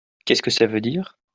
Qu'est-ce que ça veut dire ?